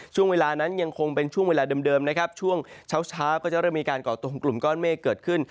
ช่วงเวลานั้นยังคงเป็นช่วงเวลาเดิมนะครับช่วงเช้าเช้าก็จะเริ่มมีการก่อตัวของกลุ่มก้อนเมฆเกิดขึ้น